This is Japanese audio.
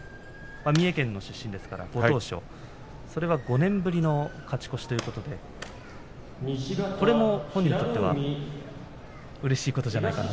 三重県の出身ですからご当所５年ぶりの勝ち越しということで本人にとってはうれしいことじゃないですか？